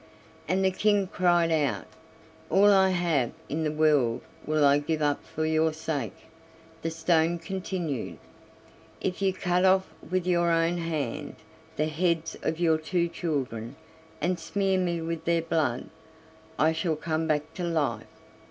And the King cried out: "All I have in the world will I give up for your sake." The stone continued: "If you cut off with your own hand the heads of your two children, and smear me with their blood, I shall come back to life."